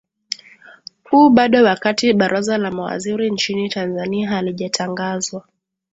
u bado wakati baraza la mawaziri nchini tanzania halijatangazwa